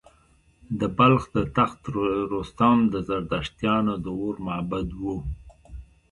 د بلخ د تخت رستم د زردشتیانو د اور معبد و